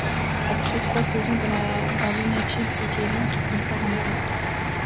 Après trois saisons dans la United Hockey League, il part en Europe.